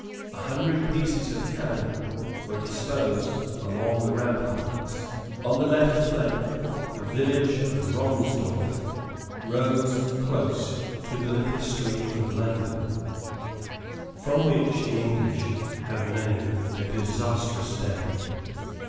A hundred pieces of cannon were disposed along the ramparts. On the left flank, the village of Romsdorff rose close to the little stream of Landen, from which the English have named the disastrous day.